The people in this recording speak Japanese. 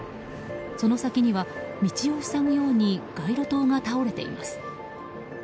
その先には、道を塞ぐように街路灯が倒れています。